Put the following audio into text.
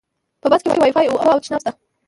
په بس کې وایفای، اوبه او تشناب شته.